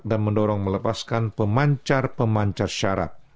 dan mendorong melepaskan pemancar pemancar syarab